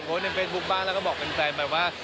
โพสต์ในเฟสบุ๊คบ้างแล้วก็บอกเป็นแฟนไปว่า